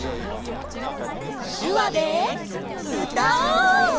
しゅわでうたおう！